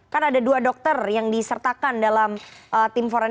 kan ada dua dokter yang disertakan dalam tim forensik